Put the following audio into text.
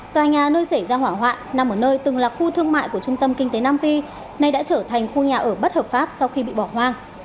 tòa nhà nơi xảy ra hỏa hoạn nằm ở nơi từng là khu thương mại của trung tâm kinh tế nam phi nay đã trở thành khu nhà ở bất hợp pháp sau khi bị bỏ hoang